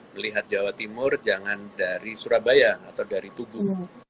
melihat jawa timur jangan dari surabaya atau dari tubuh